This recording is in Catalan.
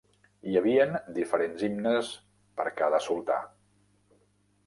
Hi havien diferent himnes per cada sultà.